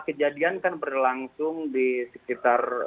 kejadian kan berlangsung di sekitar